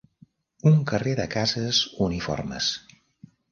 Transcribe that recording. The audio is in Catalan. Un carrer de cases uniformes.